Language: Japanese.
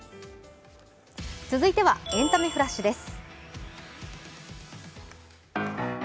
続いては「エンタメフラッシュ」です。